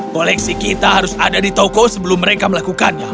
koleksi kita harus ada di toko sebelum mereka melakukannya